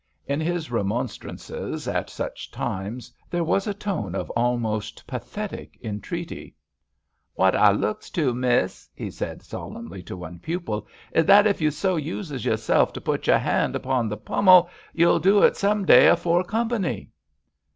In his remonstrances at such times there was a tone of almost pathetic entreaty. "What I looks to, Miss," he said, solemnly to one pupil, "is that if you so uses yourself to put your hand upon the pummel, you'll do it some day afore company."